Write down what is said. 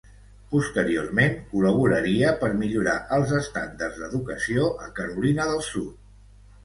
Posteriorment col·laboraria per millorar els estàndards d'educació a Carolina del Sud.